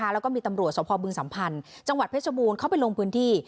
แล้วก็มีตำรวจสพบึงสัมพันธ์จังหวัดเพชรบูรณ์เข้าไปลงพื้นที่